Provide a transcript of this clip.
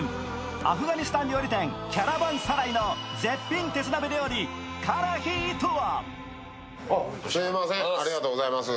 アフガニスタン料理店、キャラヴァン・サライの絶品鉄鍋料理カラフィとは？